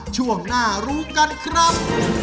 ช่วงหน้ารู้กันครับ